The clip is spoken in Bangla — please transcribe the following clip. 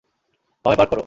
বামে পার্ক কর।